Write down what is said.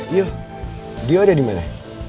iya dia udah dimana